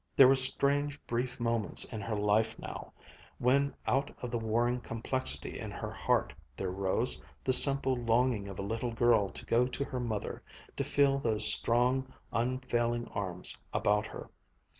There were strange, brief moments in her life now, when out of the warring complexity in her heart there rose the simple longing of a little girl to go to her mother, to feel those strong, unfailing arms about her.